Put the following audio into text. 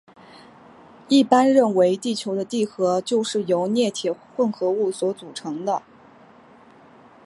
一般认为地球的地核就是由镍铁混合物所组成的。